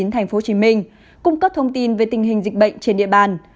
thành phố hồ chí minh cung cấp thông tin về tình hình dịch bệnh trên địa bàn